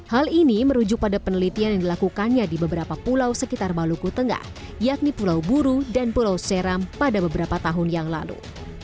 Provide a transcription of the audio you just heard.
hal ini merujuk pada penelitian yang dilakukannya di beberapa pulau sekitar maluku tengah yakni pulau buru dan pulau seram pada beberapa tahun yang lalu